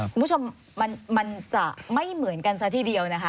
คุณผู้ชมมันจะไม่เหมือนกันซะทีเดียวนะคะ